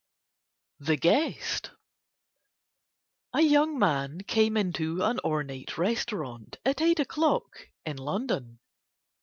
THE GUEST A young man came into an ornate restaurant at eight o'clock in London.